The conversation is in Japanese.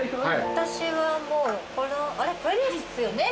私はもうこれですよね？